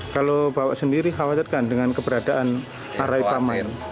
kalau bawa sendiri khawatir kan dengan keberadaan araik paman